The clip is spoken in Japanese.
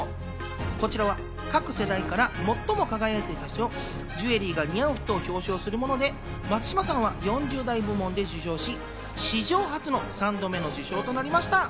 こちらは各世代から最も輝いていた人、ジュエリーが似合う人を表彰するもので、松嶋さんは４０代部門で受賞し、史上初の３度目の受賞となりました。